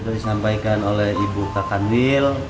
itu disampaikan oleh ibu kak kanwil